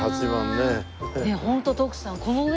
ねえホント徳さん。